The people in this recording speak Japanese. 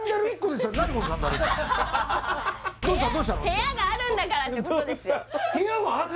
部屋があるんだからってことですよだって